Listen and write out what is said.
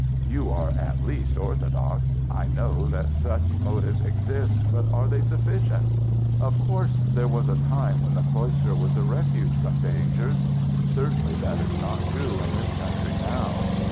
"You are at least orthodox. I know that such motives exist, but are they sufficient? Of course there was a time when the cloister was a refuge from dangers. Certainly that is not true in this country now.